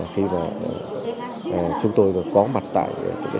khi mà chúng tôi có mặt tại